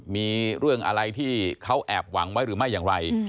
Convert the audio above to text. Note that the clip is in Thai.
มีเรื่องอะไรที่เขาแอบหวังไว้หรือไม่อย่างไร